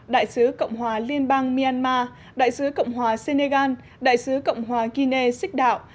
đại sứ cộng hòa liên bang myanmar đại sứ cộng hòa senegal đại sứ cộng hòa guinea xích đạo